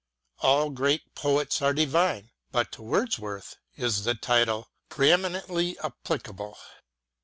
All great poets are divine, but to Wordsworth is the title pre eminently applicable.